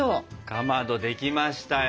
かまどできましたよ。